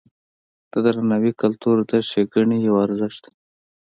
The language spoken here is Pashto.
د درناوي کلتور د ښېګڼې یو ارزښت دی.